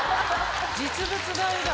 実物大だ。